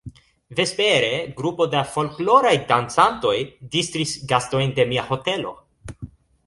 Vespere grupo da folkloraj dancantoj distris gastojn de mia hotelo.